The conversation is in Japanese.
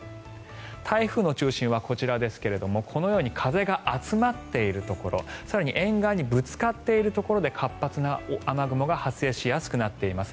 台風の中心はこちらですがこのように風が集まっているところ更に沿岸にぶつかっているところで活発な雨雲が発生しやすくなっています。